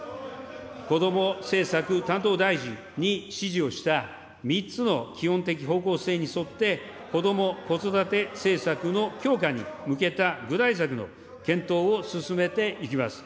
こども政策担当大臣に指示をした、３つの基本的方向性に沿って、こども・子育て政策の強化に向けた具体策の検討を進めていきます。